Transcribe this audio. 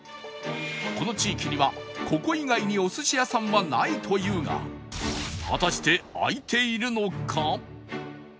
この地域にはここ以外にお寿司屋さんはないというが果たして開いているのか？